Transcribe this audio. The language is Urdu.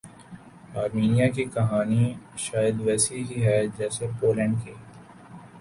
آرمینیا کی کہانی شاید ویسےہی ہے جیسے پولینڈ کی